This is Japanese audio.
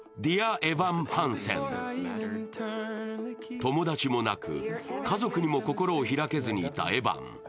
友達もなく、家族にも心を開けずにいたエヴァン。